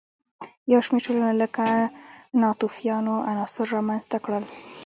یو شمېر ټولنو لکه ناتوفیانو عناصر رامنځته کړل.